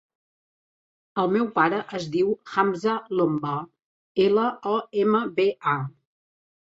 El meu pare es diu Hamza Lomba: ela, o, ema, be, a.